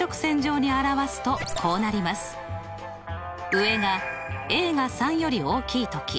上がが３より大きい時。